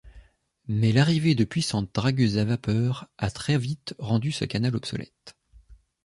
Mais l'arrivée de puissantes dragueuses à vapeurs a très vite rendu ce canal obsolète.